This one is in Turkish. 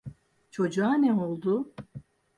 Çocuğa ne oldu?